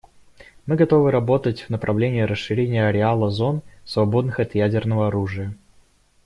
Мы готовы работать в направлении расширения ареала зон, свободных от ядерного оружия.